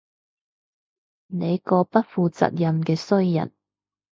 你個不負責任嘅衰人